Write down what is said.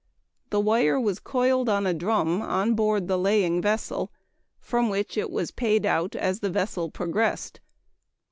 The wire was coiled on a drum on board the laying vessel, from which it was paid out as the vessel progressed.